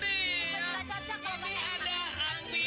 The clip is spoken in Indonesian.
nah gua cocok nih sama ide lu deh